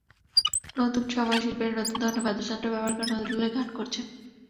নতুন সময়ের শিল্পীরা নতুন ধরনের বাদ্যযন্ত্র ব্যবহার করে নজরুলের গান করছেন।